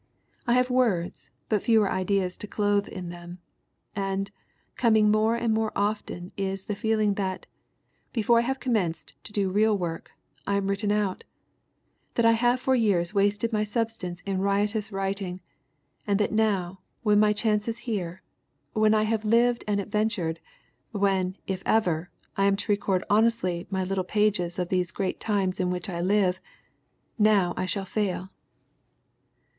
"I have words, but fewer ideas to clothe in them. And, coming more and more often is the feeling that, before I have commenced to do real work, I am written out; that I have for years wasted my substance in riotous writing, and that now, when my chance is here, when I have lived and adventured, when, if ever, I am to record honestly my little page of these great times in which I live, now I shall fail."